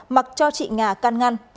mặc cho chị nga can ngăn